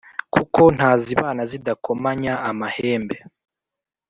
Kuko ntazibana zidakomanya amahembe